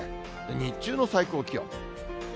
日中の最高気温。